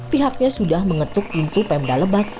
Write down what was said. pihaknya sudah mengetuk pintu pemda lebak